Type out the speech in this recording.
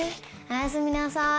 おやすみなさい。